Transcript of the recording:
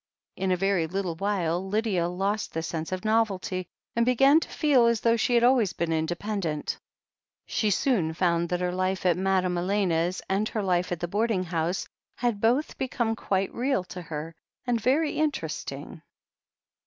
In a very little while Lydia lost the sense of novelty, and began to feel as though she had always been independent. She soon found that her life at Madame Elena's and her life at the boarding house had both become quite real to her, and very interesting.